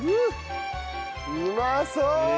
うまそう！